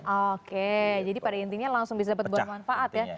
oke jadi pada intinya langsung bisa dapat buat manfaat ya